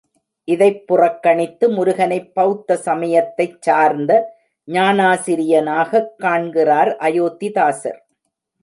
இதைப் புறக்கணித்து முருகனைப் பெளத்த சமயத்தைச் சார்ந்த ஞானாசிரியனாகக் காண்கிறார் அயோத்திதாசர்.